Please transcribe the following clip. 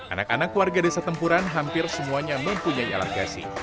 anak anak warga desa tempuran hampir semuanya mempunyai alargasi